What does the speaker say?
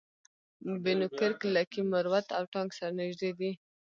بنو کرک لکي مروت او ټانک سره نژدې دي